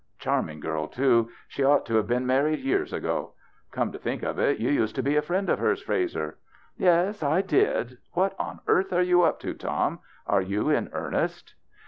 Charming girl too. She ought to have been married years ago. Come to think of it, you used to be a friend of hers, Frazer." " Yes, I did. What on earth are you up to, Tom ? Are you in earnest